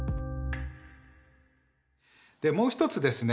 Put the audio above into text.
もう一つですね